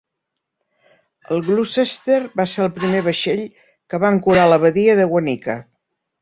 El "Gloucester" va ser el primer vaixell que va ancorar a la badia de Guanica.